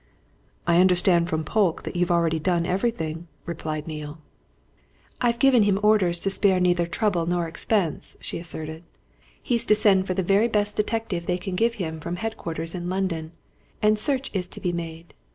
"I understand from Polke that you've already done everything," replied Neale. "I've given him orders to spare neither trouble nor expense," she asserted. "He's to send for the very best detective they can give him from headquarters in London, and search is to be made.